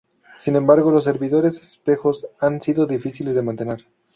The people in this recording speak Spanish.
Sin embargo, los servidores espejos han sido difíciles de mantener.